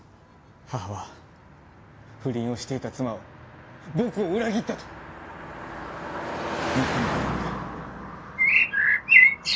母は不倫をしていた妻を僕を裏切ったと憎んでいたので。